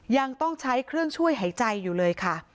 ยังต้องใช้เครื่องช่วยหายใจอยู่เลยค่ะ